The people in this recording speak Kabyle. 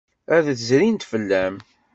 Ad d-zrint fell-am.